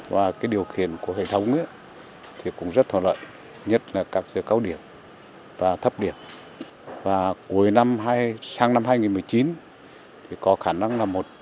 và chiếm bốn mươi chín tổng công suất nắp đặt của toàn hệ thống